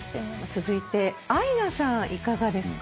続いてアイナさんいかがですか？